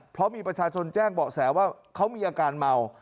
เพราะมีประชาชนแจ้งเบาะแสว่าเขามีอาการเมา